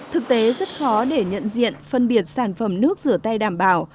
thực tế rất khó để nhận diện phân biệt sản phẩm nước rửa tay đảm bảo